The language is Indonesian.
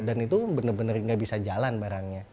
dan itu bener bener nggak bisa jalan barangnya